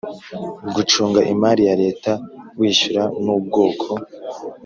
gucunga imari ya Leta wishyura n ubwoko